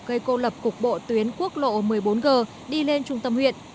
gây cô lập cục bộ tuyến quốc lộ một mươi bốn g đi lên trung tâm huyện